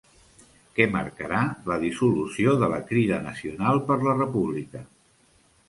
Què marcarà la dissolució de la Crida Nacional per la República?